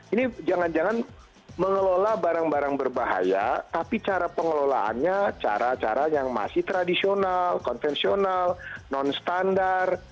ini jangan jangan mengelola barang barang berbahaya tapi cara pengelolaannya cara cara yang masih tradisional konvensional non standar